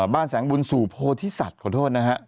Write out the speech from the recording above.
บ้านแสงบุญสู่โพธิสัตว์ขอโทษนะครับ